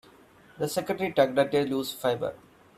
The secretary tugged at a loose fibre.